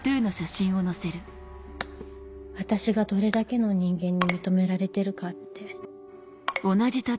私がどれだけの人間に認められてるかって。